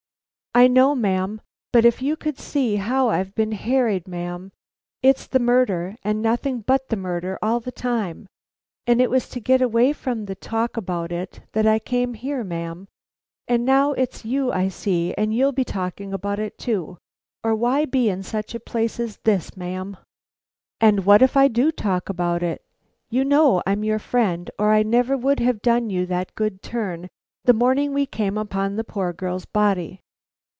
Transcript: "I know, ma'am, but if you could see how I've been harried, ma'am. It's the murder, and nothing but the murder all the time; and it was to get away from the talk about it that I came here, ma'am, and now it's you I see, and you'll be talking about it too, or why be in such a place as this, ma'am?" "And what if I do talk about it? You know I'm your friend, or I never would have done you that good turn the morning we came upon the poor girl's body."